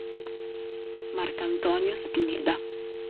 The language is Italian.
Marcantonio Spineda.